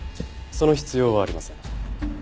その必要はありません。